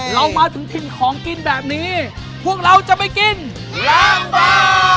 เรามาถึงถิ่นของกินแบบนี้พวกเราจะไปกินล้างบาง